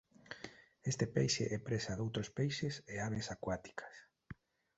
Este peixe é presa doutros peixes e aves acuáticas.